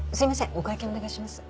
お会計お願いします。